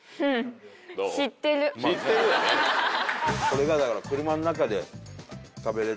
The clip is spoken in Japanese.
これがだから。